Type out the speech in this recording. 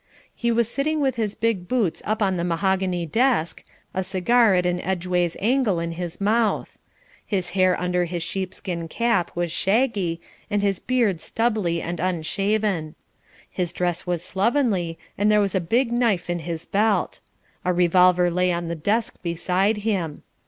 He was sitting with his big boots up on the mahogany desk, a cigar at an edgeways angle in his mouth. His hair under his sheepskin cap was shaggy, and his beard stubbly and unshaven. His dress was slovenly and there was a big knife in his belt. A revolver lay on the desk beside him.